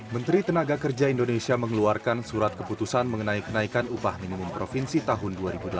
menteri tenaga kerja indonesia mengeluarkan surat keputusan mengenai kenaikan upah minimum provinsi tahun dua ribu delapan belas